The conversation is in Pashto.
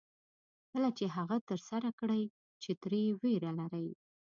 کله چې هغه څه ترسره کړئ چې ترې وېره لرئ.